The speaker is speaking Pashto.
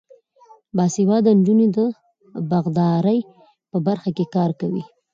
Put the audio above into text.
باسواده نجونې د باغدارۍ په برخه کې کار کوي.